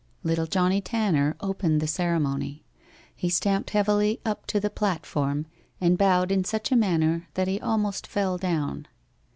Little Johnnie Tanner opened the ceremony. He stamped heavily up to the platform, and bowed in such a manner that he almost fell down.